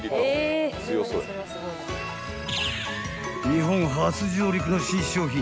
［日本初上陸の新商品］